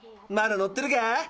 まだ乗ってるか？